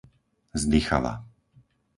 Zdychava